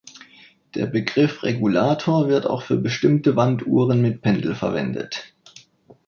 Der Begriff Regulator wird auch für bestimmte Wanduhren mit Pendel verwendet.